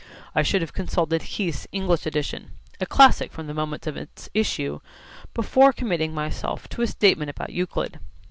I should have consulted Heath's English edition a classic from the moment of its issue before committing myself to a statement about Euclid.